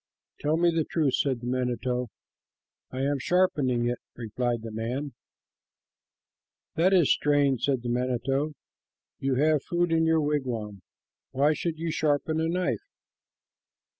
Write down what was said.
"Tell me the truth," said the manito. "I am sharpening it," replied the man. "That is strange," said the manito, "You have food in your wigwam. Why should you sharpen a knife?"